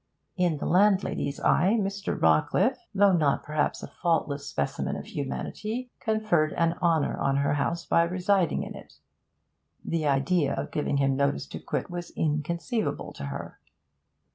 In the landlady's eyes Mr. Rawcliffe, though not perhaps a faultless specimen of humanity, conferred an honour on her house by residing in it; the idea of giving him notice to quit was inconceivable to her.